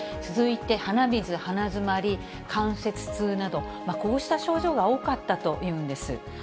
続いて鼻水、鼻詰まり、関節痛など、こうした症状が多かったというんです。